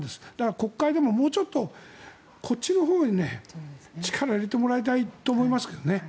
国会でももうちょっとこっちのほうに力を入れてもらいたいと思いますけどね。